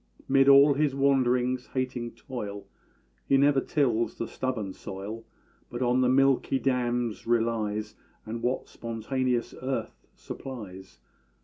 'Mid all his wanderings hating toil, He never tills the stubborn soil; But on the milky dams relies, And what spontaneous earth supplies.